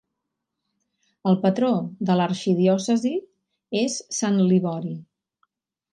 El patró de l'arxidiòcesi és Sant Libori.